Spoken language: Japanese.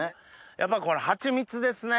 やっぱこれハチミツですね。